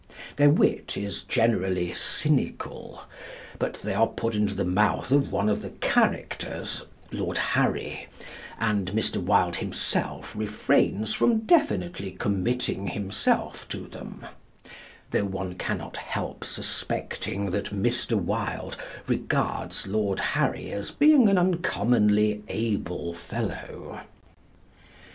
Their wit is generally cynical; but they are put into the mouth of one of the characters, Lord Harry, and Mr. Wilde himself refrains from definitely committing himself to them; though one can not help suspecting that Mr. Wilde regards Lord Harry as being an uncommonly able fellow.